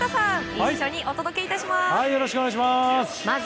一緒にお届け致します。